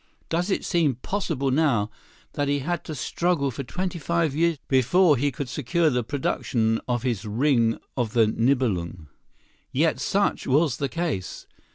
Does it seem possible now that he had to struggle for twenty five years before he could secure the production of his "Ring of the Nibelung"? Yet such was the case.